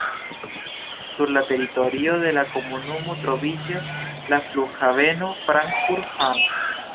Sur la teritorio de la komunumo troviĝas la flughaveno Frankfurt-Hahn.